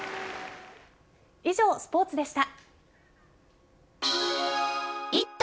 以上、スポーツでした。